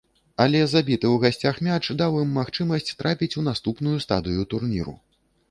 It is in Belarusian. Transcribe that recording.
Але забіты ў гасцях мяч даў ім магчымасць трапіць у наступную стадыю турніру.